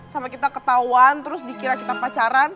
sama kita ketahuan terus dikira kita pacaran